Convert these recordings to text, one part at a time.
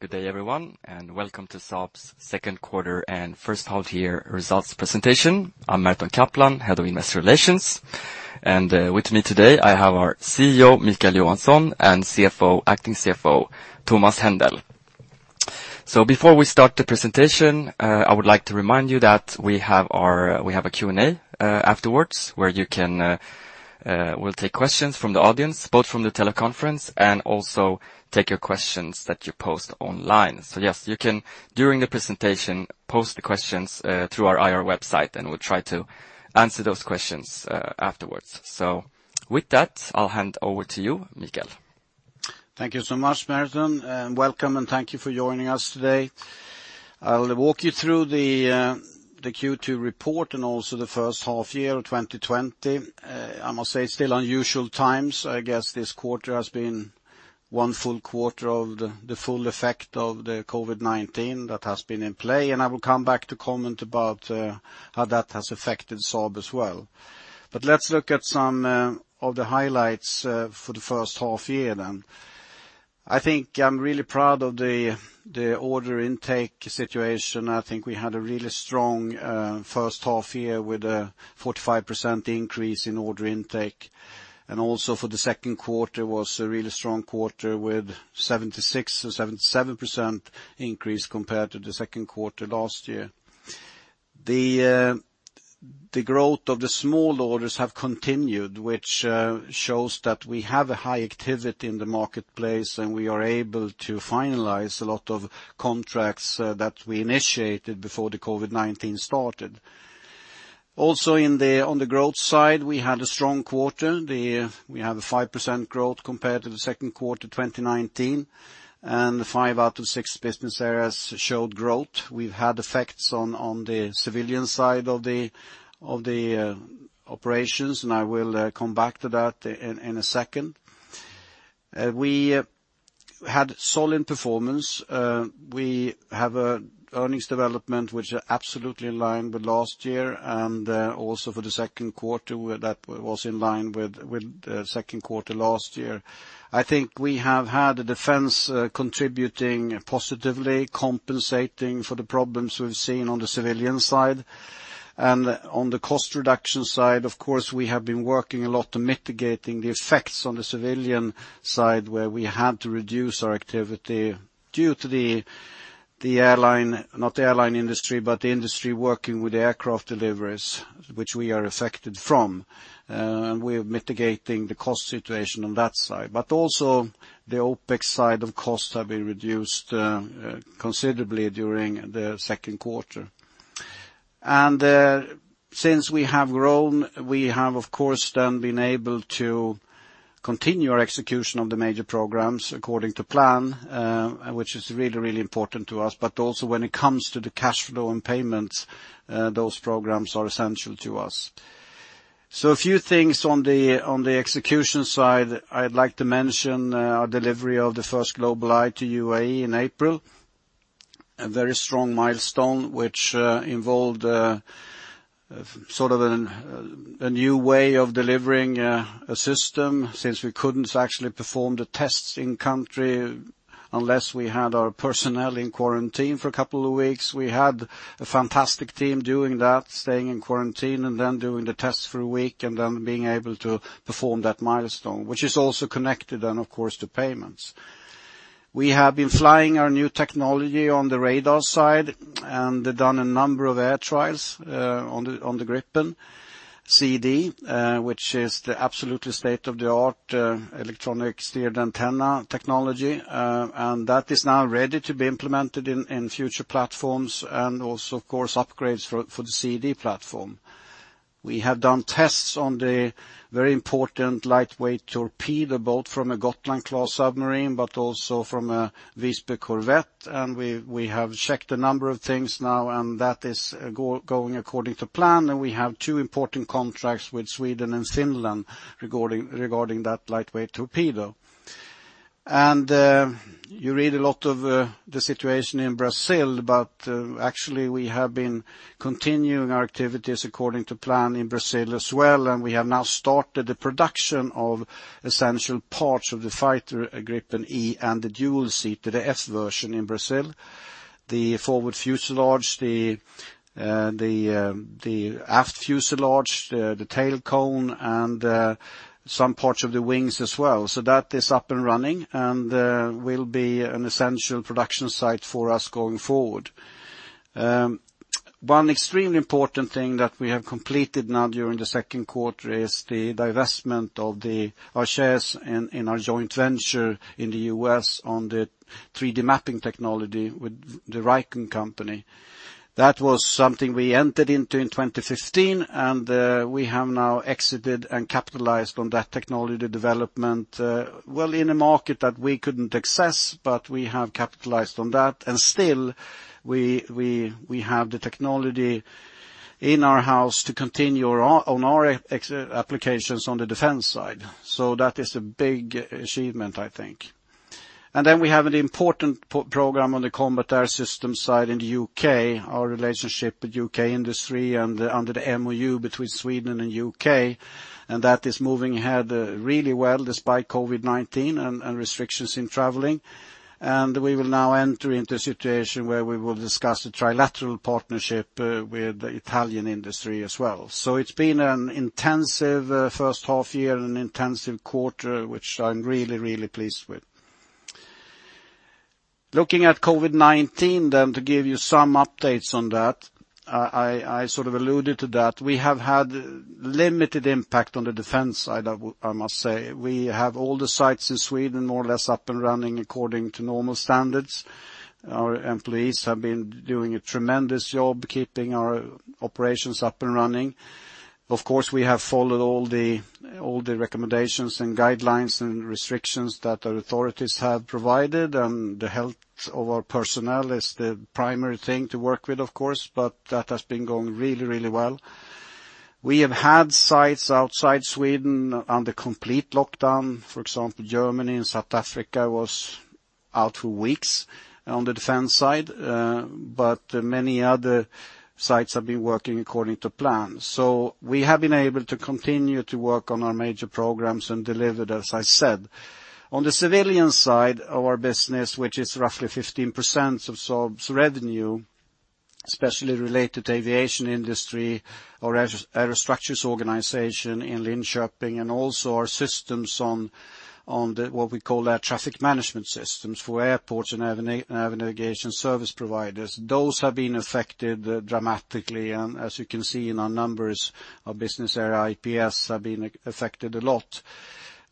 Good day, everyone, and welcome to Saab's second quarter and first half year results presentation. I'm Merton Kaplan, Head of Investor Relations, and with me today I have our CEO, Micael Johansson, and Acting CFO, Thomas Händel. Before we start the presentation, I would like to remind you that we have a Q&A afterwards where we'll take questions from the audience, both from the teleconference and also take your questions that you post online. Yes, you can, during the presentation, post the questions through our IR website, and we'll try to answer those questions afterwards. With that, I'll hand over to you, Micael. Thank you so much, Merton. Welcome, and thank you for joining us today. I will walk you through the Q2 report and also the first half year of 2020. I must say, it's still unusual times. I guess this quarter has been one full quarter of the full effect of the COVID-19 that has been in play, and I will come back to comment about how that has affected Saab as well. Let's look at some of the highlights for the first half year, then. I think I'm really proud of the order intake situation. I think we had a really strong first half year with a 45% increase in order intake, and also for the second quarter was a really strong quarter with 76% or 77% increase compared to the second quarter last year. The growth of the small orders have continued, which shows that we have a high activity in the marketplace, and we are able to finalize a lot of contracts that we initiated before the COVID-19 started. On the growth side, we had a strong quarter. We have a 5% growth compared to the second quarter 2019, and five out of six business areas showed growth. We've had effects on the civilian side of the operations, and I will come back to that in a second. We had solid performance. We have an earnings development which is absolutely in line with last year, and also for the second quarter that was in line with the second quarter last year. I think we have had the defense contributing positively, compensating for the problems we've seen on the civilian side. On the cost reduction side, of course, we have been working a lot on mitigating the effects on the civilian side, where we had to reduce our activity due to the industry working with aircraft deliveries, which we are affected from. We are mitigating the cost situation on that side. Also the OpEx side of costs have been reduced considerably during the second quarter. Since we have grown, we have, of course, then been able to continue our execution of the major programs according to plan, which is really important to us. Also when it comes to the cash flow and payments, those programs are essential to us. A few things on the execution side. I'd like to mention our delivery of the first GlobalEye to UAE in April. A very strong milestone, which involved a new way of delivering a system, since we couldn't actually perform the tests in country unless we had our personnel in quarantine for a couple of weeks. We had a fantastic team doing that, staying in quarantine, and then doing the tests for a week, and then being able to perform that milestone, which is also connected, then, of course, to payments. We have been flying our new technology on the radar side and done a number of air trials on the Gripen. [CD], which is the absolutely state-of-the-art electronically steered antenna technology, and that is now ready to be implemented in future platforms and also, of course, upgrades for the [CD] platform. We have done tests on the very important lightweight torpedo, both from a Gotland-class submarine, but also from a Visby-class corvette. We have checked a number of things now, that is going according to plan. We have two important contracts with Sweden and Finland regarding that lightweight torpedo. You read a lot of the situation in Brazil, actually we have been continuing our activities according to plan in Brazil as well. We have now started the production of essential parts of the fighter, Gripen E, and the dual seat to the F version in Brazil: the forward fuselage, the aft fuselage, the tail cone, and some parts of the wings as well. That is up and running and will be an essential production site for us going forward. One extremely important thing that we have completed now during the second quarter is the divestment of our shares in our joint venture in the U.S. on the 3D mapping technology with the RIEGL company. That was something we entered into in 2015, and we have now exited and capitalized on that technology development. Well, in a market that we couldn't access, but we have capitalized on that, and still, we have the technology in our house to continue on our applications on the defense side. That is a big achievement, I think. We have an important program on the combat air system side in the U.K., our relationship with U.K. industry and under the MoU between Sweden and U.K. That is moving ahead really well despite COVID-19 and restrictions in traveling. We will now enter into a situation where we will discuss a trilateral partnership with the Italian industry as well. It's been an intensive first half year and an intensive quarter, which I'm really, really pleased with. Looking at COVID-19, to give you some updates on that, I sort of alluded to that. We have had limited impact on the defense side, I must say. We have all the sites in Sweden more or less up and running according to normal standards. Our employees have been doing a tremendous job keeping our operations up and running. Of course, we have followed all the recommendations and guidelines and restrictions that our authorities have provided, and the health of our personnel is the primary thing to work with, of course, but that has been going really, really well. We have had sites outside Sweden under complete lockdown. For example, Germany and South Africa was out for weeks on the defense side, but many other sites have been working according to plan. We have been able to continue to work on our major programs and delivered, as I said. On the civilian side of our business, which is roughly 15% of Saab's revenue, especially related to aviation industry, our aerostructures organization in Linköping, and also our systems on what we call our traffic management systems for airports and air navigation service providers. Those have been affected dramatically. As you can see in our numbers, our business area IPS have been affected a lot.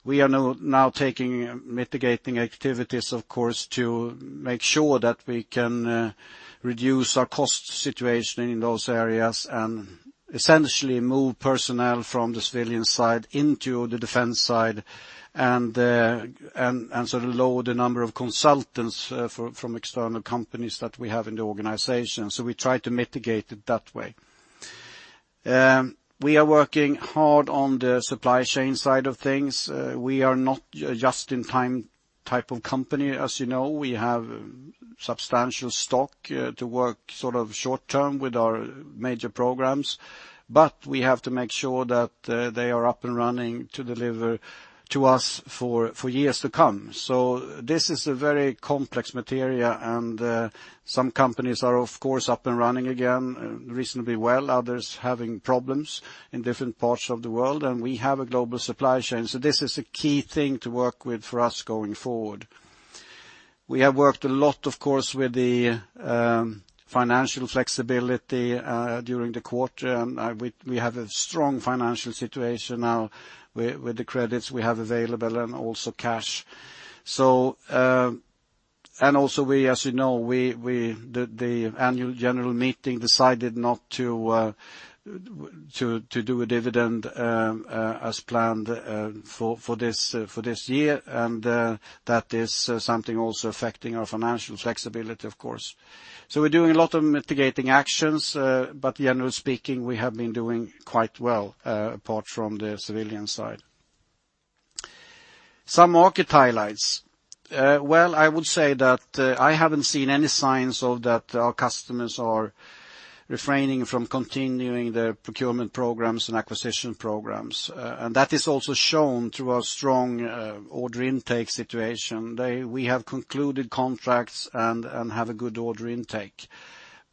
We are now taking mitigating activities, of course, to make sure that we can reduce our cost situation in those areas and essentially move personnel from the civilian side into the defense side and sort of lower the number of consultants from external companies that we have in the organization. We try to mitigate it that way. We are working hard on the supply chain side of things. We are not a just-in-time type of company, as you know. We have substantial stock to work sort of short term with our major programs. We have to make sure that they are up and running to deliver to us for years to come. This is a very complex material, and some companies are, of course, up and running again reasonably well, others having problems in different parts of the world, and we have a global supply chain. This is a key thing to work with for us going forward. We have worked a lot, of course, with the financial flexibility during the quarter. We have a strong financial situation now with the credits we have available and also cash. As you know, the annual general meeting decided not to do a dividend as planned for this year, and that is something also affecting our financial flexibility, of course. We're doing a lot of mitigating actions, but generally speaking, we have been doing quite well apart from the civilian side. Some market highlights. Well, I would say that I haven't seen any signs that our customers are refraining from continuing their procurement programs and acquisition programs. That is also shown through our strong order intake situation. We have concluded contracts and have a good order intake.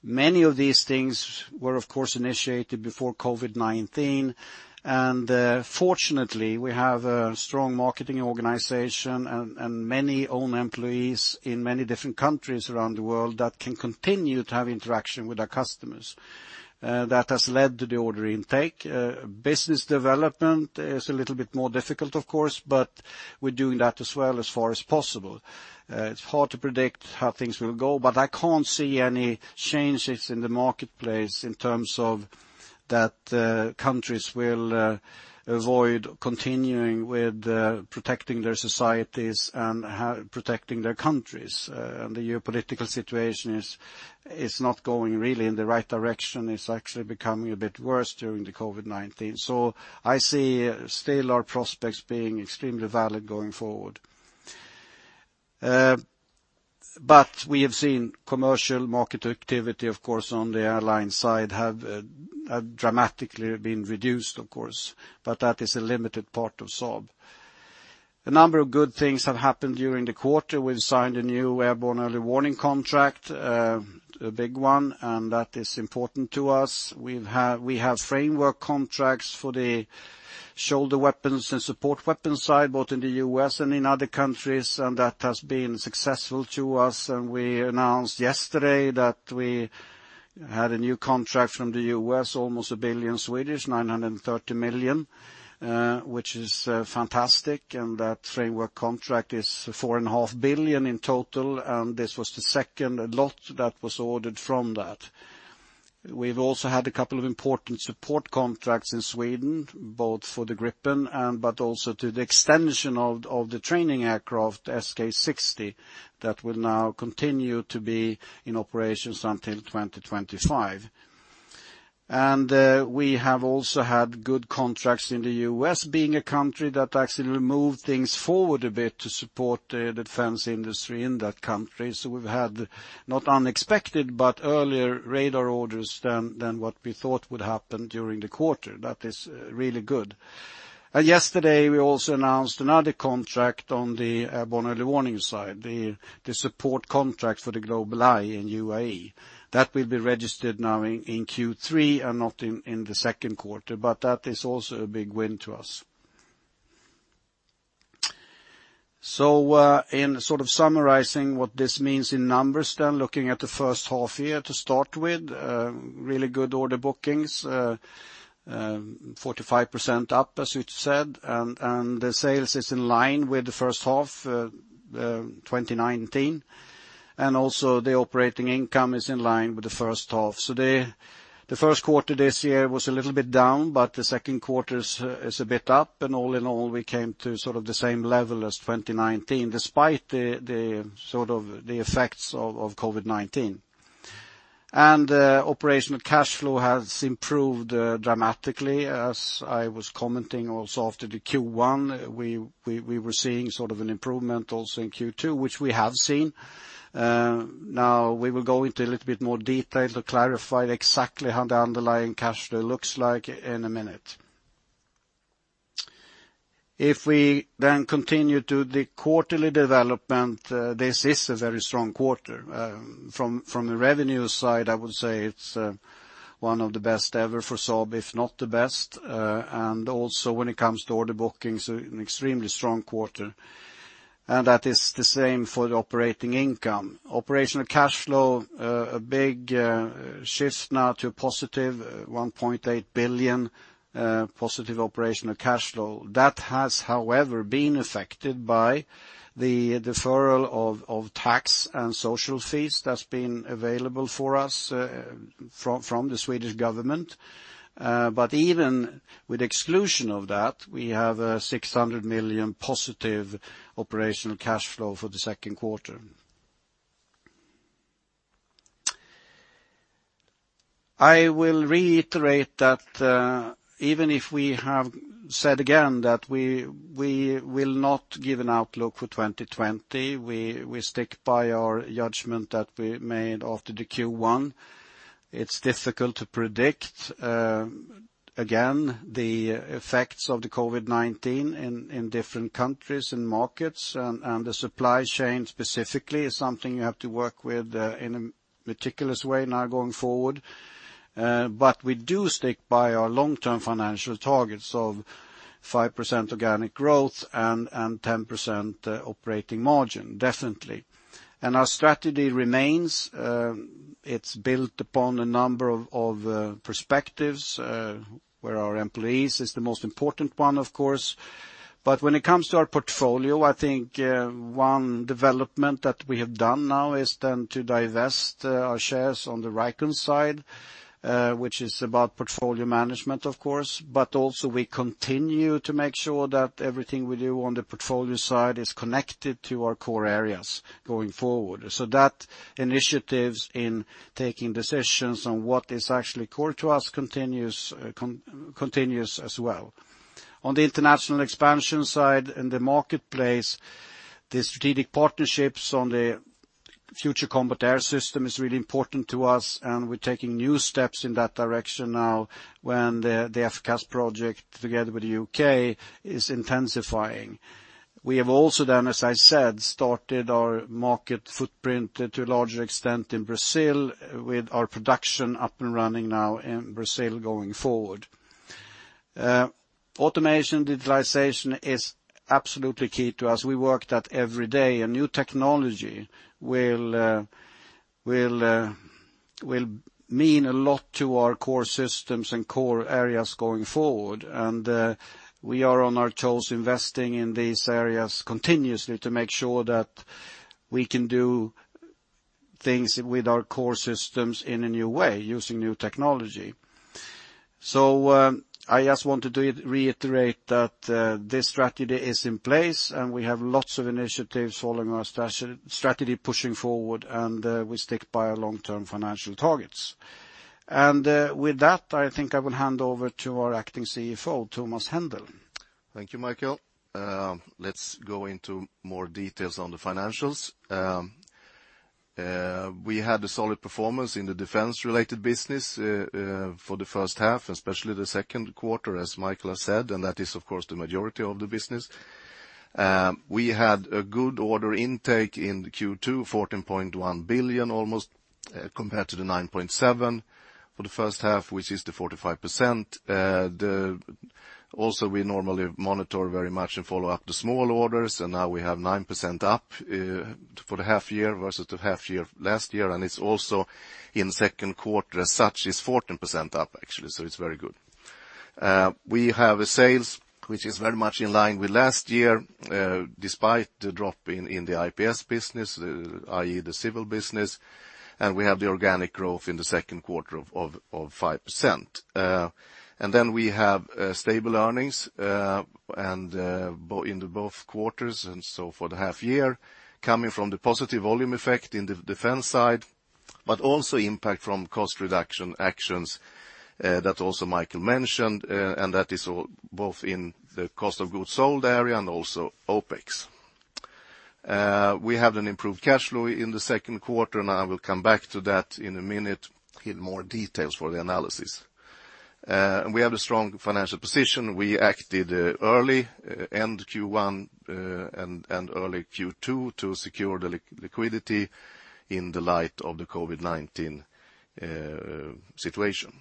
Many of these things were, of course, initiated before COVID-19. Fortunately, we have a strong marketing organization and many own employees in many different countries around the world that can continue to have interaction with our customers. That has led to the order intake. Business development is a little bit more difficult, of course, but we're doing that as well as far as possible. It's hard to predict how things will go, but I can't see any changes in the marketplace in terms of that countries will avoid continuing with protecting their societies and protecting their countries. The geopolitical situation is not going really in the right direction. It's actually becoming a bit worse during the COVID-19. I see still our prospects being extremely valid going forward. We have seen commercial market activity, of course, on the airline side have dramatically been reduced, of course, but that is a limited part of Saab. A number of good things have happened during the quarter. We've signed a new airborne early warning contract, a big one, and that is important to us. We have framework contracts for the shoulder weapons and support weapons side, both in the U.S. and in other countries, and that has been successful to us. We announced yesterday that we had a new contract from the U.S., almost 1 billion, 930 million, which is fantastic. That framework contract is 4.5 billion in total, and this was the second lot that was ordered from that. We've also had a couple of important support contracts in Sweden, both for the Gripen but also to the extension of the training aircraft, the SK 60, that will now continue to be in operations until 2025. We have also had good contracts in the U.S., being a country that actually moved things forward a bit to support the defense industry in that country. We've had, not unexpected, but earlier radar orders than what we thought would happen during the quarter. That is really good. Yesterday we also announced another contract on the airborne early warning side, the support contract for the GlobalEye in UAE. That will be registered now in Q3 and not in the second quarter, but that is also a big win to us. In sort of summarizing what this means in numbers then, looking at the first half year to start with, really good order bookings, 45% up, as we said, and the sales is in line with the first half of 2019. Also the operating income is in line with the first half. The first quarter this year was a little bit down, but the second quarter is a bit up, and all in all, we came to sort of the same level as 2019, despite the effects of COVID-19. Operational cash flow has improved dramatically. As I was commenting also after the Q1, we were seeing sort of an improvement also in Q2, which we have seen. Now, we will go into a little bit more detail to clarify exactly how the underlying cash flow looks like in a minute. If we continue to the quarterly development, this is a very strong quarter. From a revenue side, I would say it's one of the best ever for Saab, if not the best. Also when it comes to order bookings, an extremely strong quarter, and that is the same for the operating income. Operational cash flow, a big shift now to positive 1.8 billion positive operational cash flow. That has, however, been affected by the deferral of tax and social fees that's been available for us from the Swedish government, but even with exclusion of that, we have 600 million positive operational cash flow for the second quarter. I will reiterate that even if we have said again that we will not give an outlook for 2020, we stick by our judgment that we made after the Q1. It's difficult to predict, again, the effects of the COVID-19 in different countries and markets, and the supply chain specifically is something you have to work with in a meticulous way now going forward. We do stick by our long-term financial targets of 5% organic growth and 10% operating margin, definitely. Our strategy remains. It's built upon a number of perspectives, where our employees is the most important one, of course. When it comes to our portfolio, I think one development that we have done now is then to divest our shares on the Vricon side, which is about portfolio management, of course, but also we continue to make sure that everything we do on the portfolio side is connected to our core areas going forward. That initiatives in taking decisions on what is actually core to us continues as well. On the international expansion side, in the marketplace, the strategic partnerships on the future combat air system is really important to us, and we're taking new steps in that direction now when the FCAS project together with the U.K. is intensifying. We have also then, as I said, started our market footprint to a larger extent in Brazil with our production up and running now in Brazil going forward. Automation digitalization is absolutely key to us. We work that every day, and new technology will mean a lot to our core systems and core areas going forward, and we are on our toes investing in these areas continuously to make sure that we can do things with our core systems in a new way using new technology. I just wanted to reiterate that this strategy is in place and we have lots of initiatives following our strategy pushing forward, and we stick by our long-term financial targets. With that, I think I will hand over to our Acting CFO, Thomas Händel. Thank you, Micael. Let's go into more details on the financials. We had a solid performance in the defense-related business for the first half, especially the second quarter, as Micael has said, and that is, of course, the majority of the business. We had a good order intake in Q2, 14.1 billion almost, compared to the 9.7 for the first half, which is the 45%. Also, we normally monitor very much and follow up the small orders, and now we have 9% up for the half year versus the half year last year, and it's also in second quarter as such is 14% up actually, so it's very good. We have a sales which is very much in line with last year, despite the drop in the IPS business, i.e. the civil business, and we have the organic growth in the second quarter of 5%. We have stable earnings in the both quarters for the half year, coming from the positive volume effect in the defense side. Also impact from cost reduction actions that also Micael mentioned, and that is both in the cost of goods sold area and also OpEx. We have an improved cash flow in the second quarter. I will come back to that in a minute in more details for the analysis. We have a strong financial position. We acted early, end of Q1 and early Q2, to secure the liquidity in the light of the COVID-19 situation.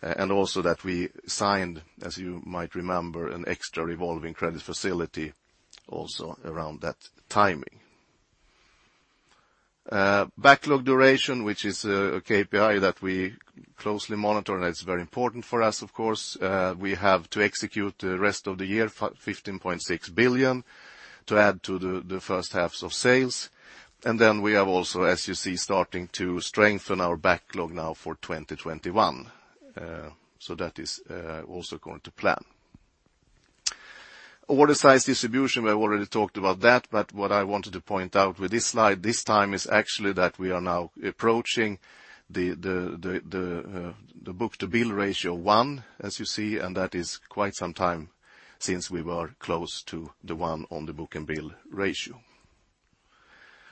That we signed, as you might remember, an extra revolving credit facility also around that timing. Backlog duration, which is a KPI that we closely monitor. It is very important for us, of course. We have to execute the rest of the year 15.6 billion to add to the first half of sales. We have also, as you see, starting to strengthen our backlog now for 2021. That is also going to plan. Order size distribution, we already talked about that. What I wanted to point out with this slide this time is actually that we are now approaching the book-to-bill ratio 1, as you see, that is quite some time since we were close to the 1 on the book and bill ratio.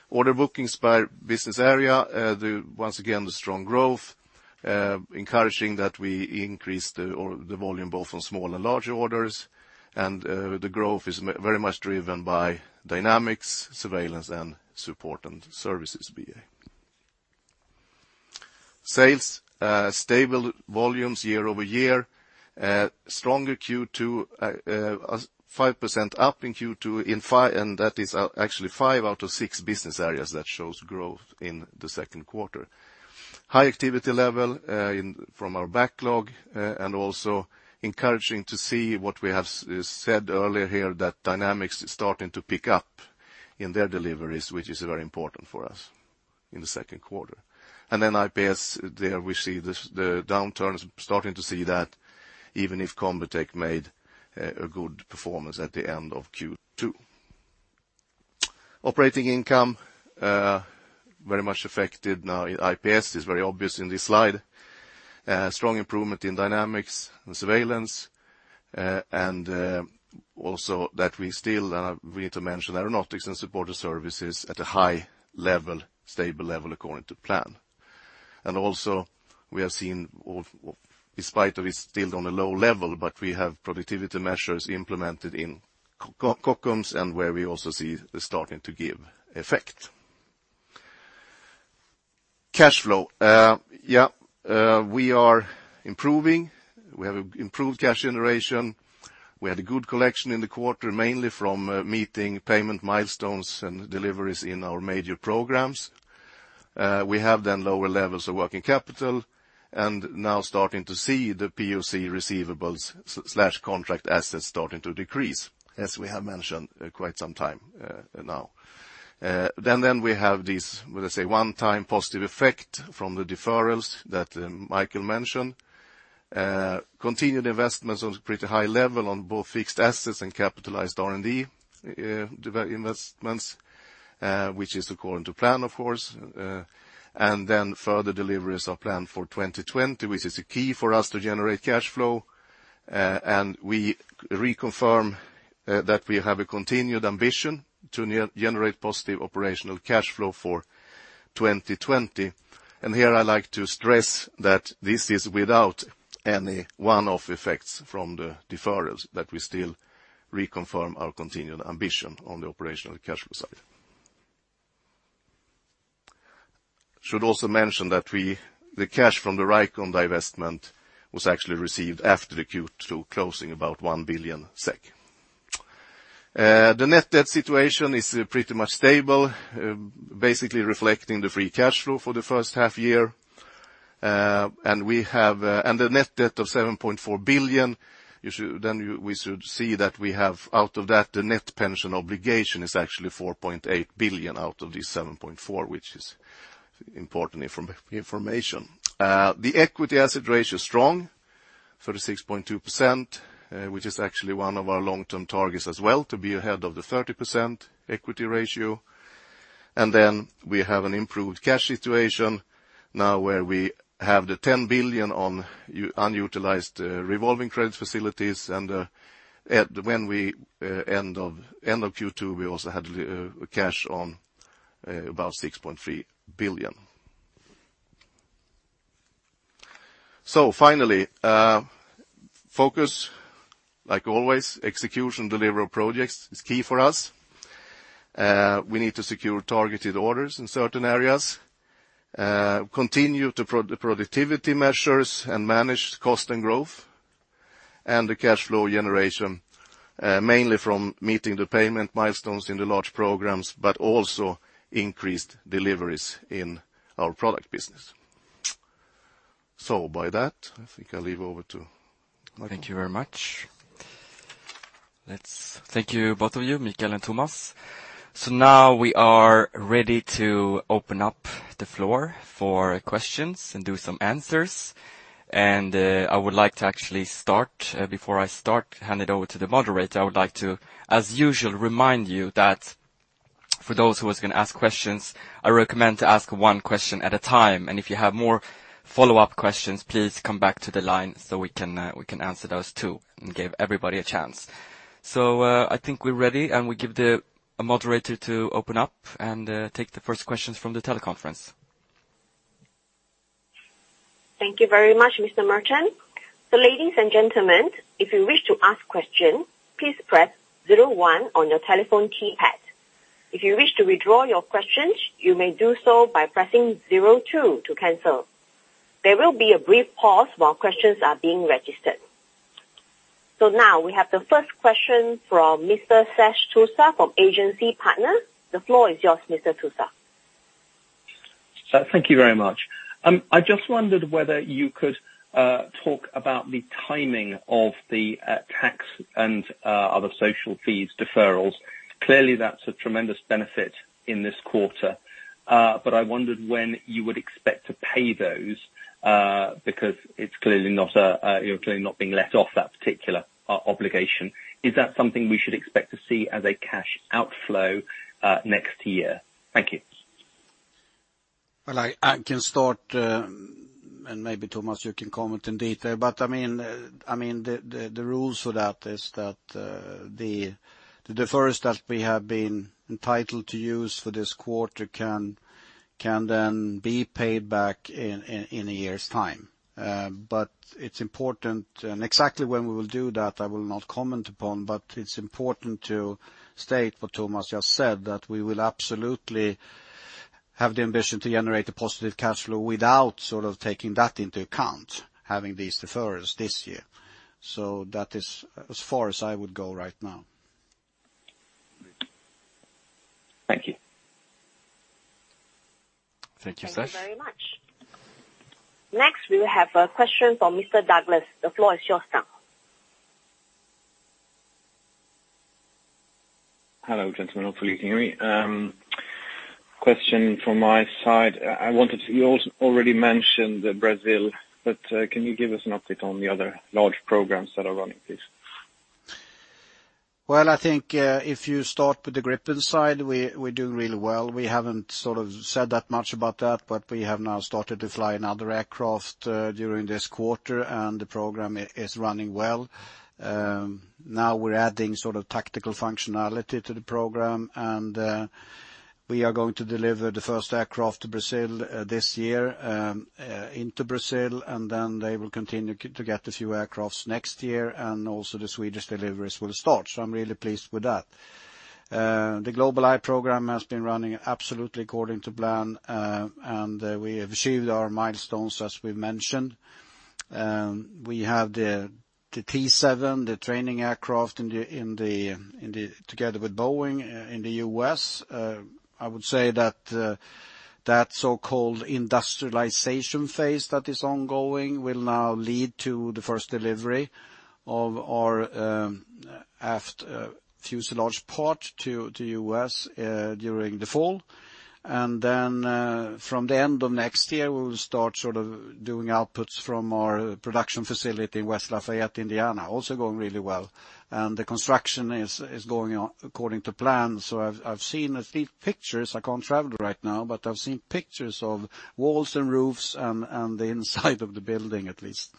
Order bookings by business area. Once again, the strong growth, encouraging that we increased the volume both on small and large orders. The growth is very much driven by Dynamics, Surveillance, and Support and Services BA. Sales, stable volumes year-over-year. Stronger Q2, 5% up in Q2. That is actually five out of six business areas that show growth in the second quarter. High activity level from our backlog. Also encouraging to see what we have said earlier here, that Dynamics is starting to pick up in their deliveries, which is very important for us in the second quarter. IPS, there we see the downturn, starting to see that even if Combitech made a good performance at the end of Q2. Operating income, very much affected now in IPS. It's very obvious in this slide. Strong improvement in Dynamics and Surveillance. We still need to mention Aeronautics and Support and Services at a high level, stable level according to plan. Also we have seen, despite that it's still on a low level, but we have productivity measures implemented in Kockums and where we also see it starting to give effect. Cash flow. We are improving. We have improved cash generation. We had a good collection in the quarter, mainly from meeting payment milestones and deliveries in our major programs. We have lower levels of working capital, and now starting to see the POC receivables/contract assets starting to decrease, as we have mentioned quite some time now. We have this, let us say, one-time positive effect from the deferrals that Micael mentioned. Continued investments on pretty high level on both fixed assets and capitalized R&D investments, which is according to plan, of course. Further deliveries are planned for 2020, which is key for us to generate cash flow. We reconfirm that we have a continued ambition to generate positive operational cash flow for 2020. Here I'd like to stress that this is without any one-off effects from the deferrals, that we still reconfirm our continued ambition on the operational cash flow side. Should also mention that the cash from the Vricon divestment was actually received after the Q2 closing, about 1 billion SEK. The net debt situation is pretty much stable, basically reflecting the free cash flow for the first half year. The net debt of 7.4 billion, we should see that we have out of that, the net pension obligation is actually 4.8 billion out of this 7.4 billion, which is important information. The equity asset ratio is strong, 36.2%, which is actually one of our long-term targets as well, to be ahead of the 30% equity ratio. We have an improved cash situation now where we have the 10 billion on unutilized revolving credit facilities, and when we end of Q2, we also had cash on about 6.3 billion. Finally, focus, like always, execution delivery of projects is key for us. We need to secure targeted orders in certain areas, continue the productivity measures, and manage cost and growth, and the cash flow generation, mainly from meeting the payment milestones in the large programs, but also increased deliveries in our product business. By that, I think I'll leave over to Micael. Thank you very much. Thank you, both of you, Micael and Thomas. Now we are ready to open up the floor for questions and do some answers. I would like to actually start. Before I start, hand it over to the moderator, I would like to, as usual, remind you that. For those who are going to ask questions, I recommend to ask one question at a time. If you have more follow-up questions, please come back to the line so we can answer those too and give everybody a chance. I think we're ready, and we give the moderator to open up and take the first questions from the teleconference. Thank you very much, Mr. Merton. Ladies and gentlemen, if you wish to ask questions, please press 01 on your telephone keypad. If you wish to withdraw your questions, you may do so by pressing 02 to cancel. There will be a brief pause while questions are being registered. Now we have the first question from Mr. Sash Tusa from Agency Partners. The floor is yours, Mr. Tusa. Thank you very much. I just wondered whether you could talk about the timing of the tax and other social fees deferrals. Clearly, that's a tremendous benefit in this quarter. I wondered when you would expect to pay those, because it's clearly not being let off that particular obligation. Is that something we should expect to see as a cash outflow next year? Thank you. Well, I can start, and maybe Thomas, you can comment in detail. The rules for that is that the deferrals that we have been entitled to use for this quarter can then be paid back in a year's time. Exactly when we will do that, I will not comment upon, but it's important to state what Thomas just said, that we will absolutely have the ambition to generate a positive cash flow without taking that into account, having these deferrals this year. That is as far as I would go right now. Thank you. Thank you, Sash. Thank you very much. Next, we have a question from Mr. Douglas. The floor is yours now. Hello, gentlemen. Thanks for letting me. Question from my side. You already mentioned Brazil, but can you give us an update on the other large programs that are running, please? Well, I think if you start with the Gripen side, we're doing really well. We haven't said that much about that, we have now started to fly another aircraft during this quarter, and the program is running well. Now we're adding tactical functionality to the program, we are going to deliver the first aircraft to Brazil this year, into Brazil, they will continue to get a few aircraft next year, the Swedish deliveries will start. I'm really pleased with that. The GlobalEye program has been running absolutely according to plan, we have achieved our milestones, as we mentioned. We have the T7, the training aircraft together with Boeing in the U.S. I would say that that so-called industrialization phase that is ongoing will now lead to the first delivery of our aft fuselage part to U.S. during the fall. From the end of next year, we will start doing outputs from our production facility in West Lafayette, Indiana, also going really well. The construction is going according to plan. I've seen a few pictures. I can't travel right now, but I've seen pictures of walls and roofs and the inside of the building, at least.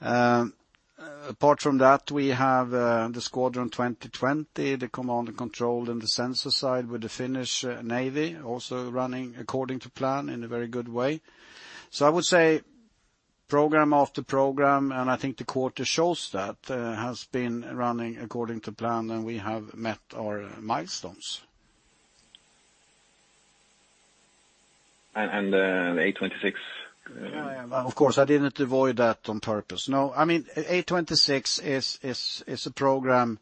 Apart from that, we have the Squadron 2020, the command and control in the sensor side with the Finnish Navy, also running according to plan in a very good way. I would say program after program, and I think the quarter shows that, has been running according to plan, and we have met our milestones. The A26? Of course, I didn't avoid that on purpose. No, A26 is a program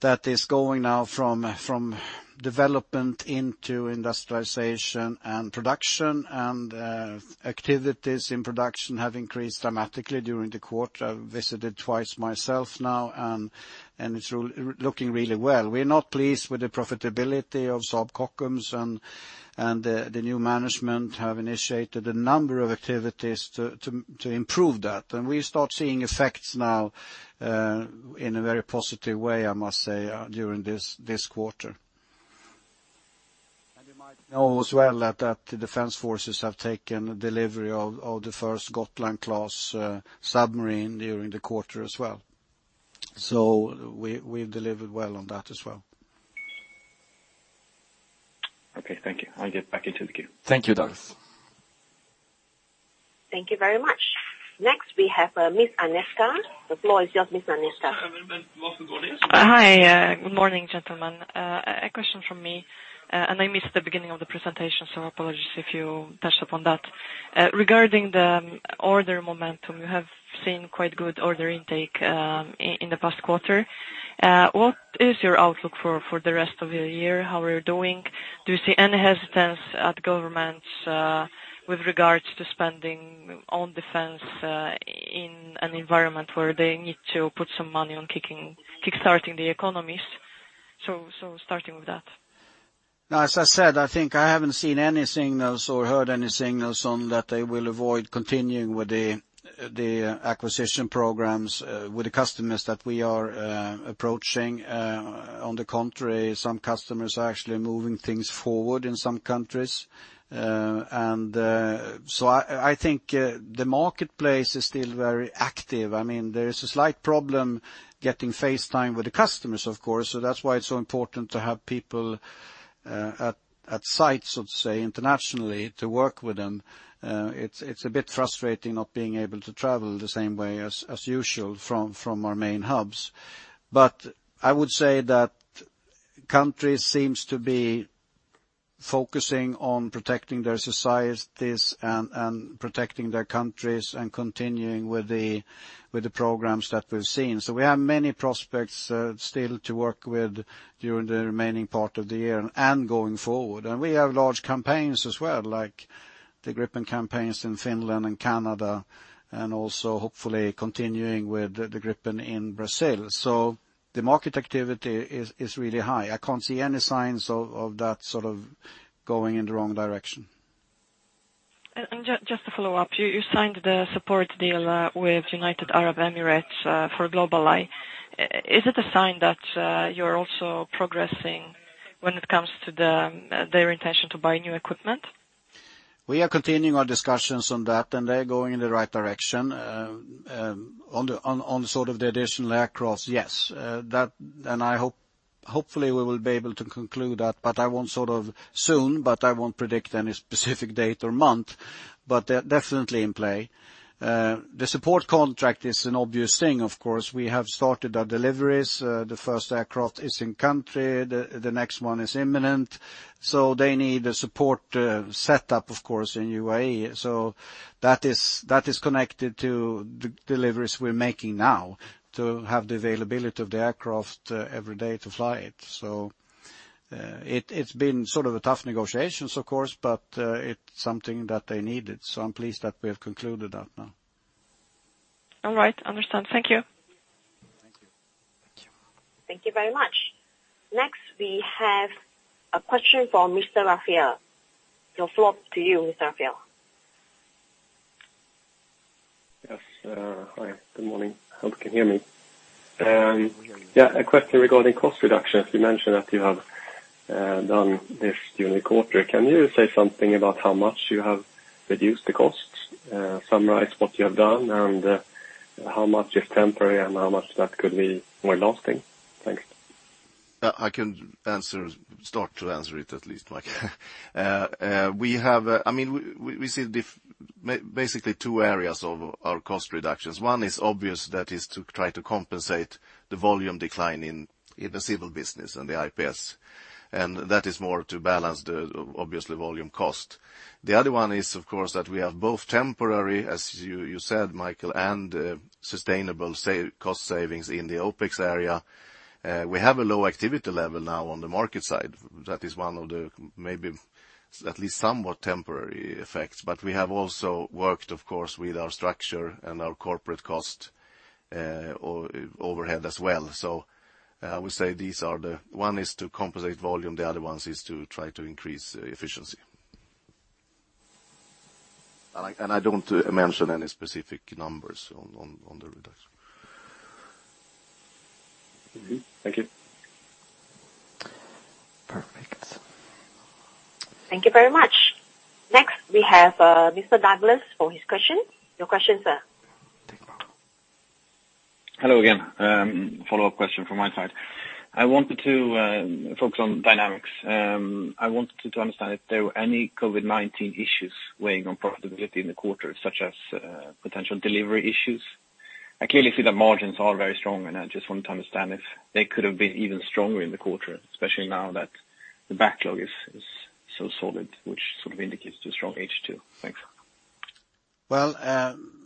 that is going now from development into industrialization and production, and activities in production have increased dramatically during the quarter. I visited twice myself now, and it's looking really well. We're not pleased with the profitability of Saab Kockums, and the new management have initiated a number of activities to improve that. We start seeing effects now in a very positive way, I must say, during this quarter. You might know as well that the defense forces have taken delivery of the first Gotland-class submarine during the quarter as well. We've delivered well on that as well. Okay, thank you. I get back into the queue. Thank you, Douglas. Thank you very much. Next, we have Ms. Agnieszka. The floor is yours, Ms. Agnieszka. Hi, good morning, gentlemen. A question from me. I missed the beginning of the presentation, apologies if you touched upon that. Regarding the order momentum, you have seen quite good order intake in the past quarter. What is your outlook for the rest of the year? How are you doing? Do you see any hesitance at governments with regards to spending on defense in an environment where they need to put some money on kick-starting the economies? Starting with that. As I said, I think I haven't seen any signals or heard any signals on that they will avoid continuing with the acquisition programs with the customers that we are approaching. On the contrary, some customers are actually moving things forward in some countries. I think the marketplace is still very active. There is a slight problem getting face time with the customers, of course, so that's why it's so important to have people at sites, let's say, internationally to work with them. It's a bit frustrating not being able to travel the same way as usual from our main hubs. I would say that countries seems to be focusing on protecting their societies and protecting their countries and continuing with the programs that we've seen. We have many prospects still to work with during the remaining part of the year and going forward. We have large campaigns as well, like the Gripen campaigns in Finland and Canada, and also hopefully continuing with the Gripen in Brazil. The market activity is really high. I can't see any signs of that sort of going in the wrong direction. Just to follow up, you signed the support deal with United Arab Emirates for GlobalEye. Is it a sign that you're also progressing when it comes to their intention to buy new equipment? We are continuing our discussions on that. They're going in the right direction. On the additional aircraft, yes. I hopefully we will be able to conclude that, but I won't sort of soon, but I won't predict any specific date or month. They're definitely in play. The support contract is an obvious thing, of course. We have started our deliveries. The first aircraft is in country, the next one is imminent, so they need a support setup, of course, in UAE. That is connected to deliveries we're making now to have the availability of the aircraft every day to fly it. It's been sort of a tough negotiations of course, but it's something that they needed. I'm pleased that we have concluded that now. All right. Understand. Thank you. Thank you. Thank you very much. Next, we have a question from Mr. Rafael. The floor to you, Mr. Rafael. Yes. Hi, good morning. Hope you can hear me. We can hear you. Yeah. A question regarding cost reduction. As you mentioned that you have done this during the quarter, can you say something about how much you have reduced the costs? Summarize what you have done and how much is temporary and how much that could be more lasting. Thanks. I can start to answer it at least, Micael. We see basically two areas of our cost reductions. One is obvious, that is to try to compensate the volume decline in the civil business and the IPS. That is more to balance the, obviously, volume cost. The other one is, of course, that we have both temporary, as you said Micael, and sustainable cost savings in the OpEx area. We have a low activity level now on the market side. That is one of the, maybe at least somewhat temporary effects. We have also worked, of course, with our structure and our corporate cost overhead as well. I would say one is to compensate volume, the other ones is to try to increase efficiency. I don't mention any specific numbers on the reduction. Thank you. Perfect. Thank you very much. Next, we have Mr. Douglas for his question. Your question, sir. Take it, Douglas. Hello again. Follow-up question from my side. I wanted to focus on Dynamics. I wanted to understand if there were any COVID-19 issues weighing on profitability in the quarter, such as potential delivery issues. I clearly see that margins are very strong, I just wanted to understand if they could have been even stronger in the quarter, especially now that the backlog is so solid, which sort of indicates the strong H2. Thanks. Well,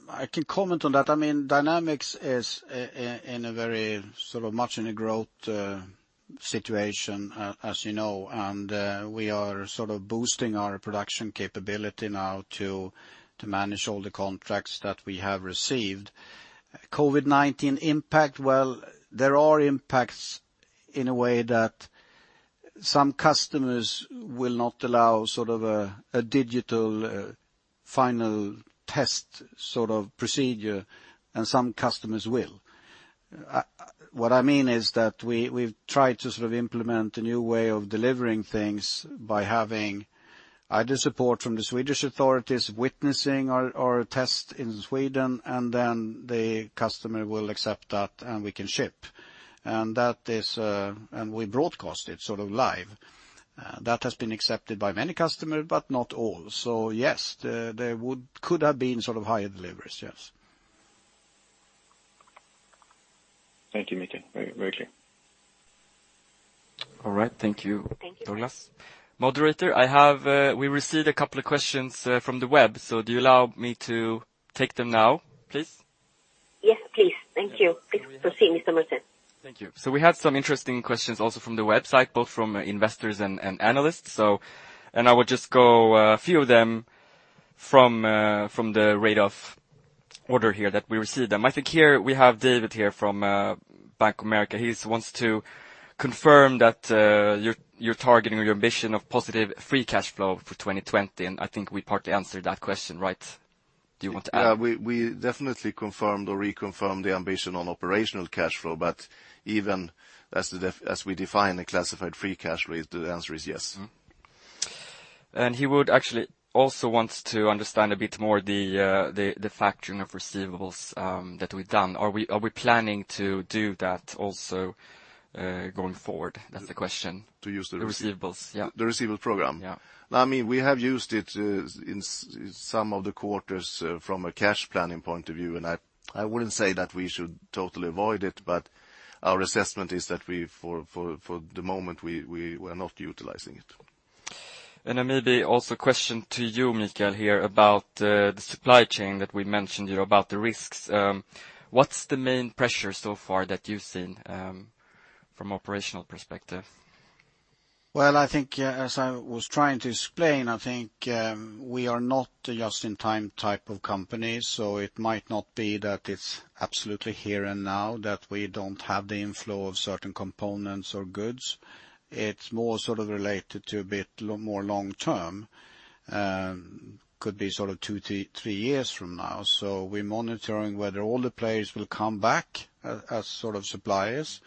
I can comment on that. Dynamics is much in a growth situation, as you know, and we are sort of boosting our production capability now to manage all the contracts that we have received. COVID-19 impact, well, there are impacts in a way that some customers will not allow a digital, final test procedure, and some customers will. What I mean is that we've tried to implement a new way of delivering things by having either support from the Swedish authorities witnessing our test in Sweden, and then the customer will accept that and we can ship. We broadcast it live. That has been accepted by many customers, but not all. Yes, there could have been higher deliveries, yes. Thank you, Micael. Very clear. All right. Thank you, Douglas. Thank you. Moderator, we received a couple of questions from the web. Do you allow me to take them now, please? Yes, please. Thank you. Please proceed, Mr. Marton. Thank you. We had some interesting questions also from the website, both from investors and analysts. I will just go a few of them from the rate of order here that we received them. I think we have David here from Bank of America. He wants to confirm that you're targeting your ambition of positive free cash flow for 2020. I think we partly answered that question, right? Do you want to add? We definitely confirmed or reconfirmed the ambition on operational cash flow, but even as we define the classified free cash rate, the answer is yes. He would actually also want to understand a bit more the factoring of receivables that we've done. Are we planning to do that also going forward? That's the question. To use the- The receivables, yeah. the receivable program? Yeah. We have used it in some of the quarters from a cash planning point of view, and I wouldn't say that we should totally avoid it, but our assessment is that for the moment, we were not utilizing it. Maybe also a question to you, Mikael, here about the supply chain that we mentioned about the risks. What's the main pressure so far that you've seen from operational perspective? Well, I think as I was trying to explain, I think we are not a just-in-time type of company, it might not be that it's absolutely here and now that we don't have the inflow of certain components or goods. It's more related to a bit more long-term. Could be two to three years from now. We're monitoring whether all the players will come back as suppliers,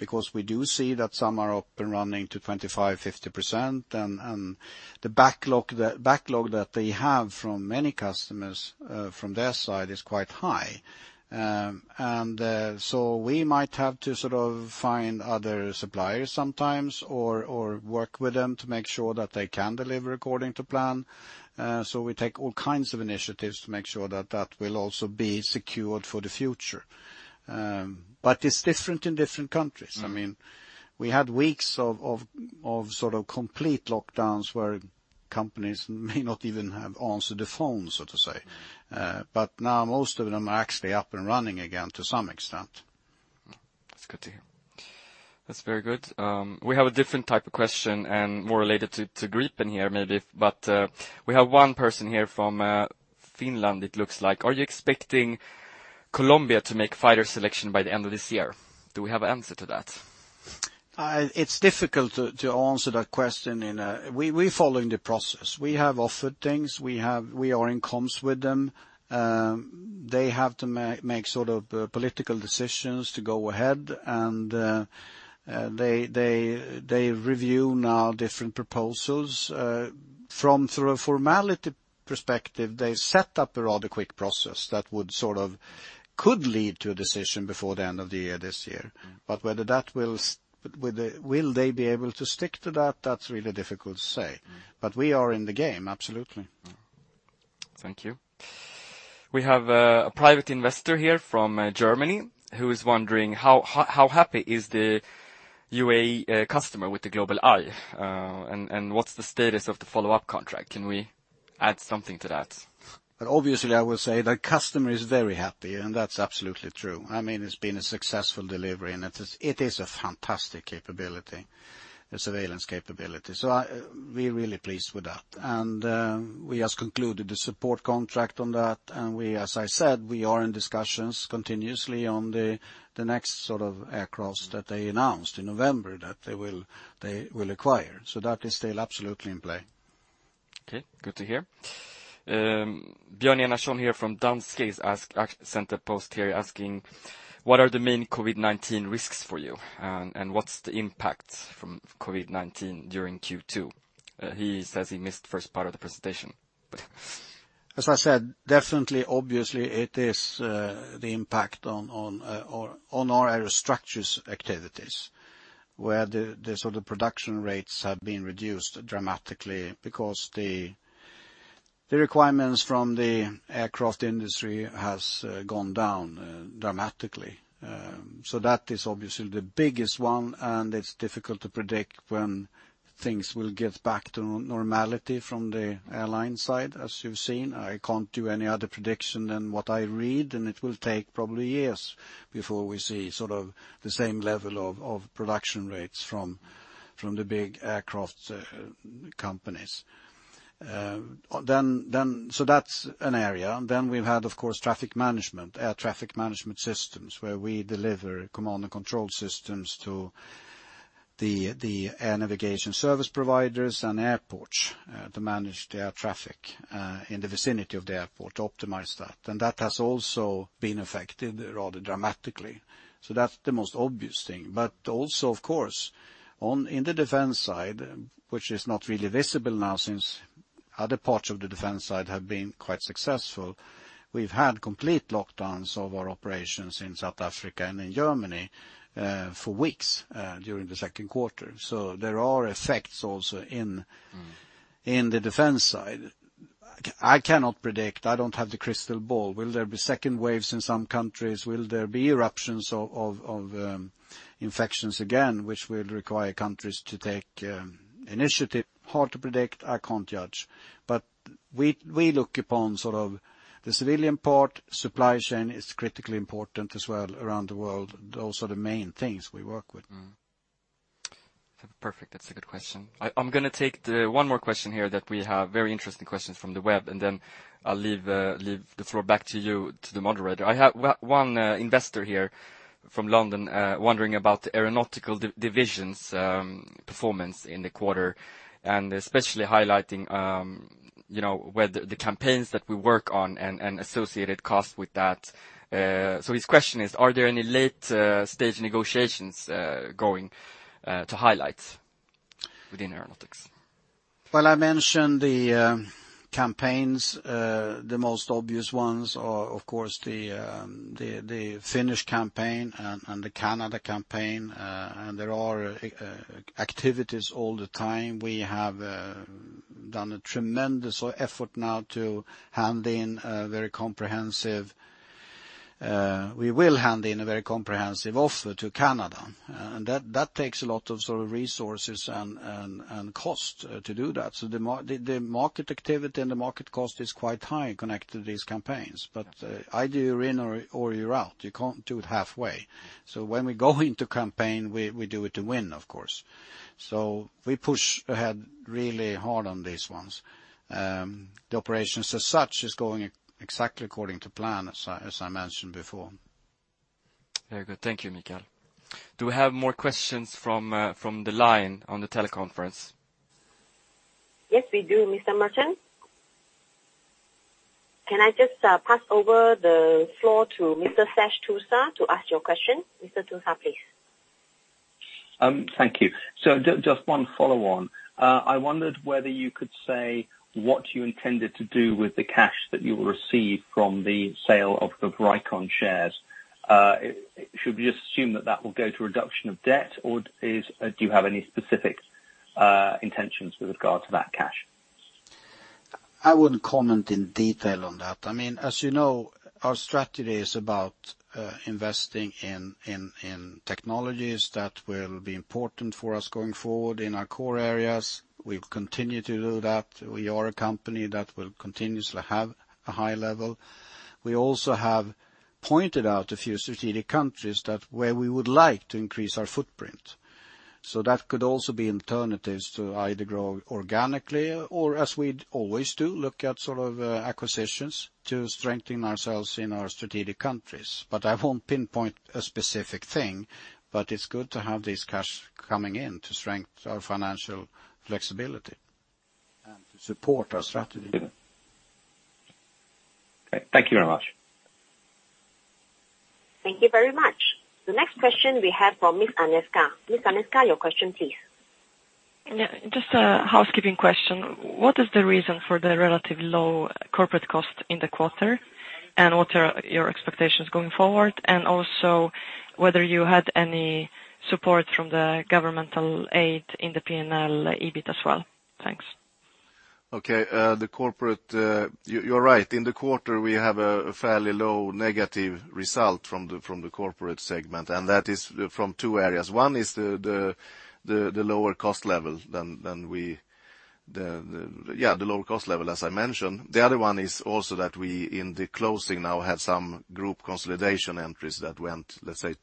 because we do see that some are up and running to 25%, 50%, and the backlog that they have from many customers from their side is quite high. We might have to find other suppliers sometimes or work with them to make sure that they can deliver according to plan. We take all kinds of initiatives to make sure that that will also be secured for the future. It's different in different countries. We had weeks of complete lockdowns where companies may not even have answered the phone, so to say. Now most of them are actually up and running again to some extent. That's good to hear. That's very good. We have a different type of question and more related to Gripen here, maybe. We have one person here from Finland, it looks like. Are you expecting Colombia to make fighter selection by the end of this year? Do we have an answer to that? It's difficult to answer that question. We're following the process. We have offered things. We are in comms with them. They have to make political decisions to go ahead. They review now different proposals. From a formality perspective, they set up a rather quick process that could lead to a decision before the end of the year this year. Will they be able to stick to that? That's really difficult to say. We are in the game, absolutely. Thank you. We have a private investor here from Germany who is wondering how happy is the UAE customer with the GlobalEye, and what's the status of the follow-up contract? Can we add something to that? I will say the customer is very happy, and that's absolutely true. It's been a successful delivery, and it is a fantastic capability, a surveillance capability. We're really pleased with that. We just concluded a support contract on that, and as I said, we are in discussions continuously on the next aircraft that they announced in November that they will acquire. That is still absolutely in play. Okay, good to hear. Björn Enarson here from Danske sent a post here asking, what are the main COVID-19 risks for you, and what's the impact from COVID-19 during Q2? He says he missed the first part of the presentation. As I said, definitely, obviously, it is the impact on our aerostructures activities, where the production rates have been reduced dramatically because the requirements from the aircraft industry has gone down dramatically. That is obviously the biggest one, and it's difficult to predict when things will get back to normality from the airline side, as you've seen. I can't do any other prediction than what I read, and it will take probably years before we see the same level of production rates from the big aircraft companies. That's an area. We've had, of course, traffic management, air traffic management systems, where we deliver command and control systems to the air navigation service providers and airports to manage the air traffic in the vicinity of the airport, optimize that. That has also been affected rather dramatically. That's the most obvious thing. Also, of course, in the defense side, which is not really visible now since other parts of the defense side have been quite successful, we've had complete lockdowns of our operations in South Africa and in Germany for weeks during the second quarter. There are effects also in the defense side. I cannot predict. I don't have the crystal ball. Will there be second waves in some countries? Will there be eruptions of infections again, which will require countries to take initiative? Hard to predict. I can't judge. We look upon the civilian part, supply chain is critically important as well around the world. Those are the main things we work with. Perfect. That's a good question. I'm going to take one more question here that we have, very interesting question from the web, and then I'll leave the floor back to you, to the moderator. I have one investor here from London, wondering about the Aeronautics division's performance in the quarter, and especially highlighting whether the campaigns that we work on and associated costs with that. His question is, are there any late-stage negotiations going to highlight within Aeronautics? Well, I mentioned the campaigns. The most obvious ones are, of course, the Finnish campaign and the Canada campaign, and there are activities all the time. We have done a tremendous effort now to hand in a very comprehensive offer to Canada, and that takes a lot of resources and cost to do that. The market activity and the market cost is quite high connected to these campaigns. Either you're in or you're out. You can't do it halfway. When we go into campaign, we do it to win, of course. We push ahead really hard on these ones. The operations as such is going exactly according to plan, as I mentioned before. Very good. Thank you, Mikael. Do we have more questions from the line on the teleconference? Yes, we do, Mr. Marton. Can I just pass over the floor to Mr. Sash Tusa to ask your question? Mr. Tusa, please. Thank you. Just one follow-on. I wondered whether you could say what you intended to do with the cash that you will receive from the sale of the Vricon shares. Should we just assume that that will go to reduction of debt, or do you have any specific intentions with regard to that cash? I wouldn't comment in detail on that. As you know, our strategy is about investing in technologies that will be important for us going forward in our core areas. We'll continue to do that. We are a company that will continuously have a high level. We also have pointed out a few strategic countries where we would like to increase our footprint. That could also be alternatives to either grow organically or, as we always do, look at acquisitions to strengthen ourselves in our strategic countries. I won't pinpoint a specific thing, but it's good to have this cash coming in to strengthen our financial flexibility and to support our strategy. Okay. Thank you very much. Thank you very much. The next question we have from Miss Anesca. Miss Anesca, your question, please. Just a housekeeping question. What is the reason for the relatively low corporate cost in the quarter, and what are your expectations going forward? Also, whether you had any support from the governmental aid in the P&L EBIT as well. Thanks. You're right. In the quarter, we have a fairly low negative result from the corporate segment, and that is from two areas. One is the lower cost level, as I mentioned. The other one is also that we, in the closing now, have some group consolidation entries that went, let's say,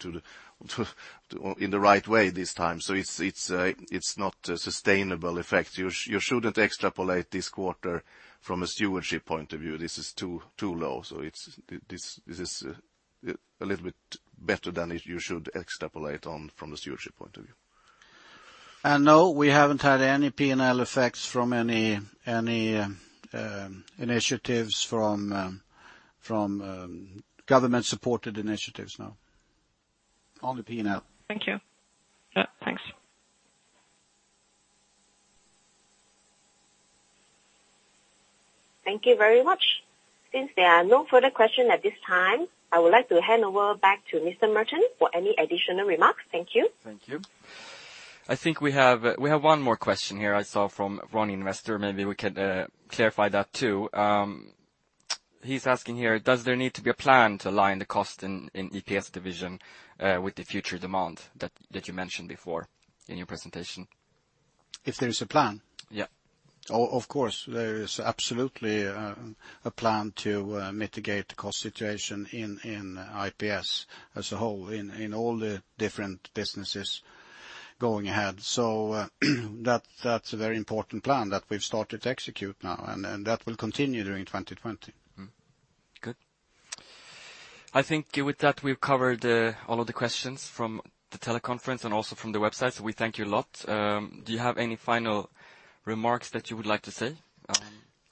in the right way this time. It's not a sustainable effect. You shouldn't extrapolate this quarter from a stewardship point of view. This is too low. This is a little bit better than you should extrapolate on from the stewardship point of view. No, we haven't had any P&L effects from any initiatives, from government-supported initiatives, no. On the P&L. Thank you. Thanks. Thank you very much. Since there are no further questions at this time, I would like to hand over back to Mr. Merton for any additional remarks. Thank you. Thank you. I think we have one more question here I saw from Ron, Investor. Maybe we could clarify that, too. He's asking here, does there need to be a plan to align the cost in IPS division with the future demand that you mentioned before in your presentation? If there is a plan? Yeah. Of course, there is absolutely a plan to mitigate the cost situation in IPS as a whole in all the different businesses going ahead. That's a very important plan that we've started to execute now, and that will continue during 2020. Good. I think with that, we've covered all of the questions from the teleconference and also from the website. We thank you a lot. Do you have any final remarks that you would like to say?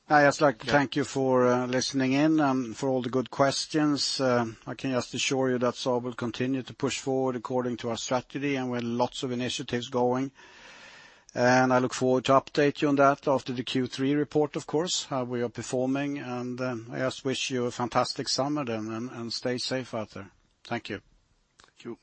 I'd just like to thank you for listening in and for all the good questions. I can just assure you that Saab will continue to push forward according to our strategy, and we've lots of initiatives going. I look forward to update you on that after the Q3 report, of course, how we are performing. I just wish you a fantastic summer, and stay safe out there. Thank you. Thank you.